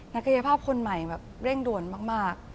นักกายภาพคนใหม่แบบเร่งโดนมาก